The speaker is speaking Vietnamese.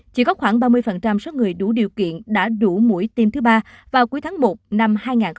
chỉ có khoảng ba mươi số người đủ điều kiện đã đủ mũi tiêm thứ ba vào cuối tháng một năm hai nghìn hai mươi